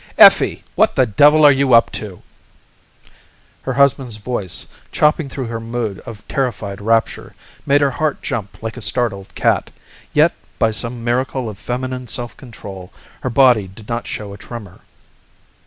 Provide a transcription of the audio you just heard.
_ "Effie! What the devil are you up to?" Her husband's voice, chopping through her mood of terrified rapture, made her heart jump like a startled cat, yet by some miracle of feminine self control her body did not show a tremor.